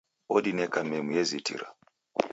Odineka memu ye zitira